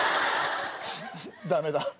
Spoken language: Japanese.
ダメだ